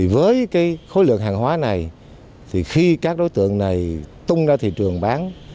với khối lượng hàng hóa này thì khi các đối tượng này tung ra thị trường bán